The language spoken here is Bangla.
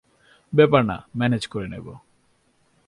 ব্যাপার না ম্যানেজ করে নেব।